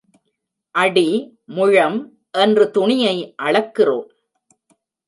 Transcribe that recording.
அடி, முழம் என்று துணியை அளக்கிறோம்.